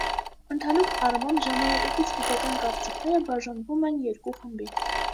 Ընդհանուր առմամբ, ժամանակակից գիտական կարծիքները բաժանվում են երկու խմբի։